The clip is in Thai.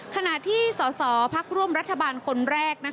ขณะที่สสพักร่วมรัฐบาลคนแรก